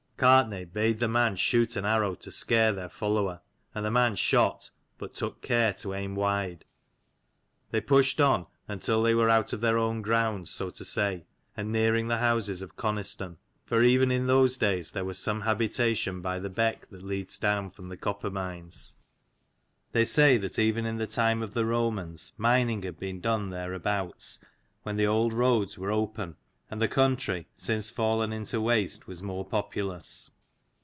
Gartnaidh bade the man shoot an arrow to scare their follower : and the man shot, but took good care to aim wide. They pushed on, until they were out of their own grounds, so to say, and nearing the houses of Coniston. For even in those days there was some habitation by the beck that leads down from the copper mines. They say that even in the time of the Romans mining had been done thereabouts, when the old roads were open, and the country, since fallen into waste, was more populous.